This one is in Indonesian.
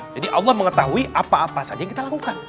jadi allah mengetahui apa apa saja yang kita lakukan